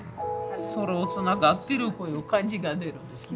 空はつながってるっていう感じが出るんですね。